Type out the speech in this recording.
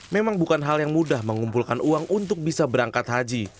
memang bukan hal yang mudah mengumpulkan uang untuk bisa berangkat haji